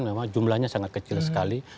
memang jumlahnya sangat kecil sekali